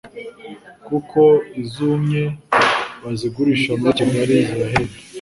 kuko izumye bazigurisha muri Kigali, zirahenda